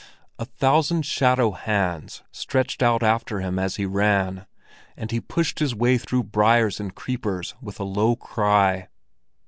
A thousand shadow hands stretched out after him as he ran; and he pushed his way through briars and creepers with a low cry.